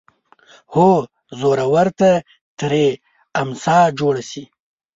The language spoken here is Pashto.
هو زورور ته ترې امسا جوړه شي